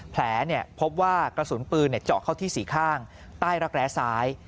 แผลพบว่ากระสุนปืนเจาะเข้าที่สี่ข้างใต้รักแร้ซ้าย